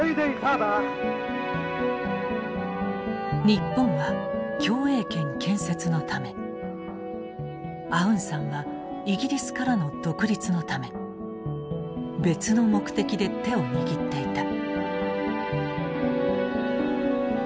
日本は共栄圏建設のためアウンサンはイギリスからの独立のため別の目的で手を握っていた。